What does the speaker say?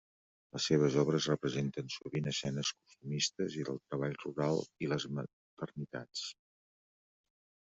Les seves obres representen sovint escenes costumistes i del treball rural i les maternitats.